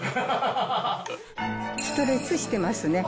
ストレッチしてますね。